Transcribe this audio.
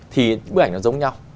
thì bức ảnh nó giống nhau